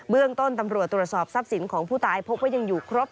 เรื่องต้นตำรวจตรวจสอบทรัพย์สินของผู้ตายพบว่ายังอยู่ครบ